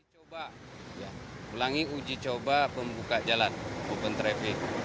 coba ulangi uji coba pembuka jalan open traffic